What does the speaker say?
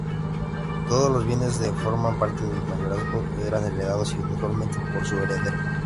Todos los bienes que formaban parte del mayorazgo eran heredados indisolublemente por su heredero.